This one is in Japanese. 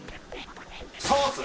ソース。